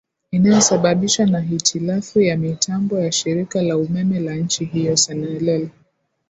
inayosababishwa na hitilafu ya mitambo ya shirika la umeme la nchi hiyo senelel